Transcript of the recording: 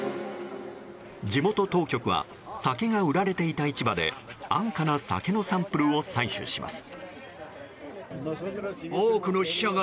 地元当局は酒が売られていた市場で安価な酒のサンプルを採取します。